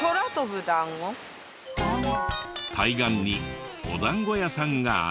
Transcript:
対岸にお団子屋さんがあり。